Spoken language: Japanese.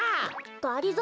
がりぞー